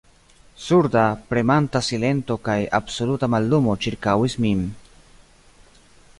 Surda, premanta silento kaj absoluta mallumo ĉirkaŭis min.